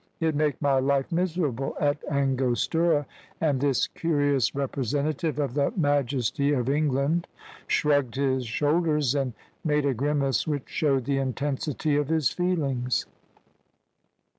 It make my life miserable at Angostura;" and this curious representative of the "majesty of England" shrugged his shoulders and made a grimace which showed the intensity of his feelings.